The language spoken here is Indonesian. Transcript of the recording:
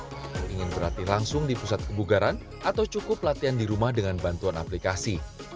jika ingin berlatih langsung di pusat kebugaran atau cukup latihan di rumah dengan bantuan aplikasi